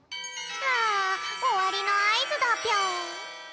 あおわりのあいずだぴょん！